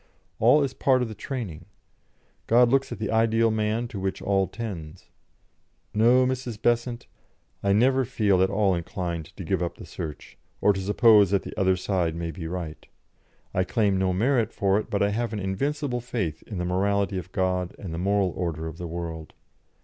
All is part of the training. God looks at the ideal man to which all tends.... "No, Mrs. Besant; I never feel at all inclined to give up the search, or to suppose that the other side may be right. I claim no merit for it, but I have an invincible faith in the morality of God and the moral order of the world.